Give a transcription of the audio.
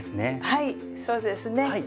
はいそうですね。